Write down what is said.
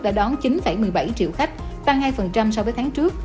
đã đón chín một mươi bảy triệu khách tăng hai so với tháng trước